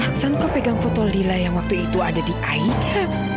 aksan kok pegang fotolila yang waktu itu ada di aida